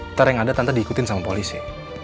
ntar yang ada tanpa diikutin sama polisi